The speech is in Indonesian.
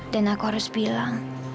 dan aku harus bilang